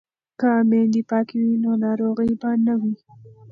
که میندې پاکې وي نو ناروغي به نه وي.